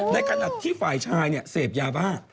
ในขณะที่ฝ่ายชายเสพยาบ้า